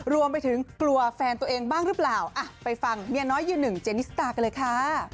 รวมไปถึงกลัวแฟนตัวเองบ้างหรือเปล่าไปฟังเมียน้อยยืนหนึ่งเจนิสตากันเลยค่ะ